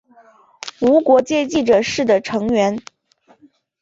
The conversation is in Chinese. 无国界记者是的成员。